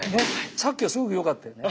さっきはすごく良かったよね。